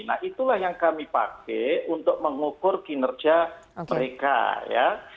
nah itulah yang kami pakai untuk mengukur kinerja mereka ya